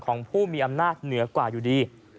ของผู้มีอำนาจเหนือกว่าอยู่ดี